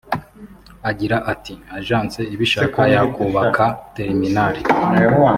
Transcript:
Agira ati "Agence ibishaka yakubaka Terminal